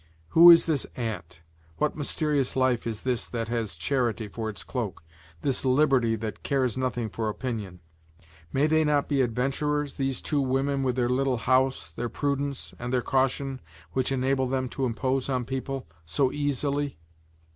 Who is that aunt, what mysterious life is this that has charity for its cloak, this liberty that cares nothing for opinion? May they not be adventurers, these two women with their little house, their prudence and their caution which enables them to impose on people so easily?